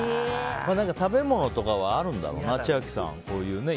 食べ物とかはあるんだろうな。